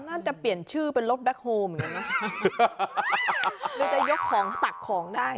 น่าจะเปลี่ยนชื่อเป็นรถแบคโฮมนะโดยจะยกของตักของได้